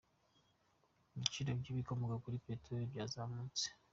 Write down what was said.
Ibiciro by’ibikomoka kuri Peteroli byamanutse